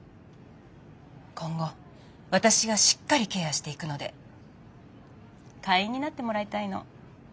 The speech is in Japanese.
今後私がしっかりケアしていくので会員になってもらいたいの。